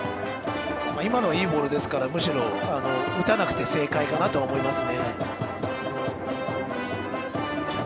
今のはいいボールですから、むしろ打たなくて正解かなと思います。